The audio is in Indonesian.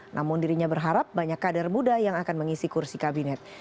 namun dirinya berharap banyak kader muda yang akan mengisi kursi kabinet